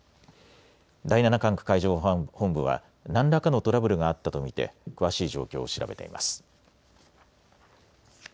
第７管区海上保安本部は何らかのトラブルがあったと見て詳しい状況を調べています。